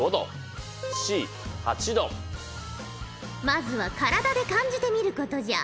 まずは体で感じてみることじゃ。